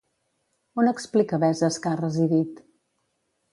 On explica Veses que ha residit?